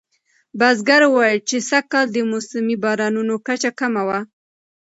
بزګر وویل چې سږکال د موسمي بارانونو کچه کمه وه.